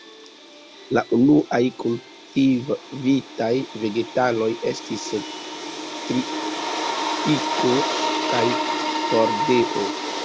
La unuaj kultivitaj vegetaloj estis tritiko kaj hordeo.